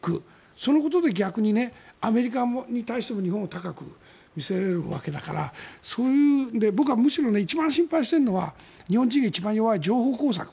そのことで逆にアメリカに対しても日本を高く見せれるわけだからそういうので僕はむしろ一番心配しているのは日本人が一番弱い情報工作。